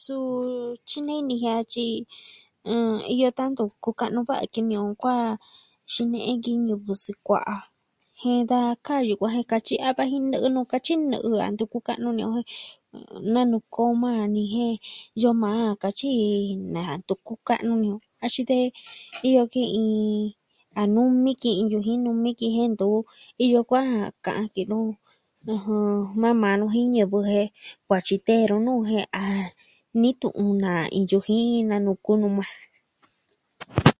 Suu tyinei ni jiaa tyi, iyo tan tu kuka'nu ka ki ini o kuaa, xine'e ñivɨ sukua'a. Jen da kaa yukuan jen katyi a daji nɨ'ɨ nɨ katyi nɨ'ɨ nɨ a ntu kuka'nu ini o.Nee nuu koo maa ni jen ya'a maa katyi i na ntu kuka'nu ini o axin de iyo ki a numi ki'i iin yuji numi jen ntu iyo kuaa ka'an ki nu. ɨjɨn... nama nuu jin ñivɨ jen va tyi tee nuu noo jen, a... ni tu'un na iin yujii na nuku nu maa.